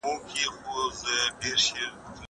زه مخکي مېوې وچولي وې.